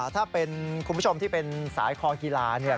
ถ้าเป็นคุณผู้ชมที่เป็นสายคอกีฬาเนี่ย